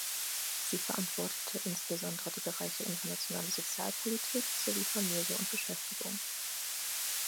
Sie verantwortete insbesondere die Bereiche Internationale Sozialpolitik sowie Familie und Beschäftigung.